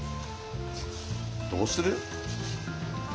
どうする？